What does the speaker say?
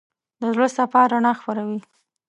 د زړه صفا رڼا خپروي.